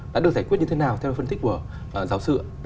đã được giải quyết như thế nào theo phân tích của giáo sư